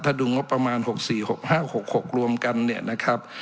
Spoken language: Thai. ถ้าดูงบประมาณ๖๔๖๕๖๖รวมกันเนี่ยนะครับ